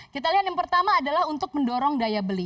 kita lihat yang pertama adalah untuk mendorong daya beli